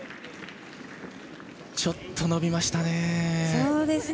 ちょっと伸びましたね。